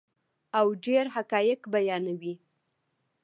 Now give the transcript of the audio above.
او ډیر حقایق بیانوي.